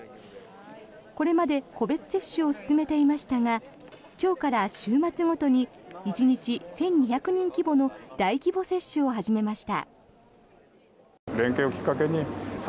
これまで個別接種を進めていましたが今日から週末ごとに１日１２００人規模の大規模接種を始めました。